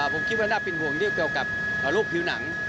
ผมคิดว่าน่าเป็นห่วงเรื่องเกี่ยวกับโรคผิวหนัง